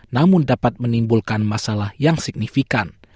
namun dapat menimbulkan masalah yang signifikan